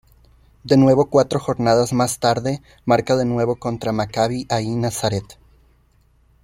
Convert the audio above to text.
De nuevo cuatro jornadas más tarde marca de nuevo contra Maccabi Ahí Nazareth.